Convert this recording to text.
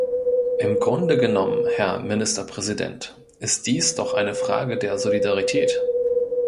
Im Grunde genommen, Herr Ministerpräsident, ist dies doch eine Frage der Solidarität.